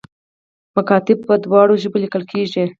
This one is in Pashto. مکاتیب په دواړو ژبو لیکل کیږي